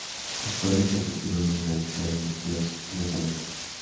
Los Poderes ejecutivos nominales fueron investidos en la Asamblea.